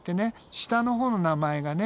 下のほうの名前がね